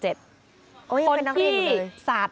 โอ้ยยังเป็นนักเรียนก่อนเลยคนที่สาด